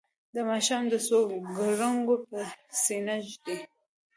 د ماښام د څو ګلرنګو پر سینه ږدي